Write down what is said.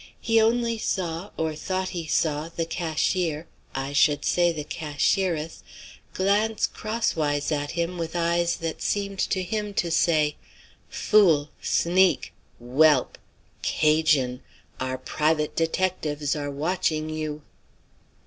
He only saw, or thought he saw, the cashier I should say the cashieress glance crosswise at him with eyes that seemed to him to say: "Fool; sneak; whelp; 'Cajun; our private detectives are watching you."